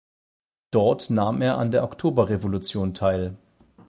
Dort nahm er an der Oktoberrevolution teil.